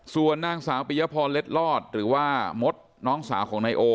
ส่วนนางสาวปิยพรเล็ดลอดหรือว่ามดน้องสาวของนายโอ